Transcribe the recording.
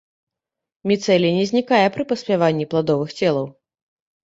Міцэлій не знікае пры паспяванні пладовых целаў.